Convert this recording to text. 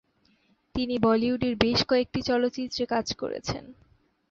তিনি বলিউডের বেশ কয়েকটি চলচ্চিত্রে কাজ করছেন।